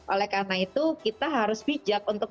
oleh karena itu kita harus bijak untuk